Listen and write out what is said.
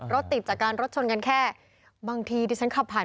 รถติดจากการรถชนกันแค่บางทีดิฉันขับผ่าน